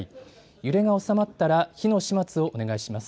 揺れが収まったら火の始末をお願いします。